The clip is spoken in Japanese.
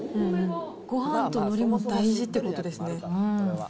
ごはんとのりも大事ってことですね。